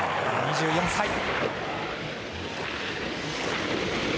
２４歳。